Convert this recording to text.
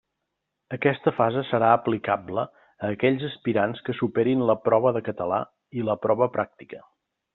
Aquesta fase serà aplicable a aquells aspirants que superin la prova de Català i la prova pràctica.